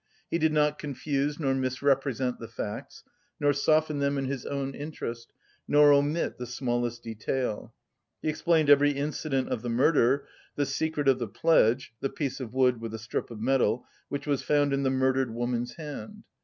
He did not confuse nor misrepresent the facts, nor soften them in his own interest, nor omit the smallest detail. He explained every incident of the murder, the secret of the pledge (the piece of wood with a strip of metal) which was found in the murdered woman's hand.